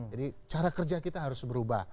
jadi cara kerja kita harus berubah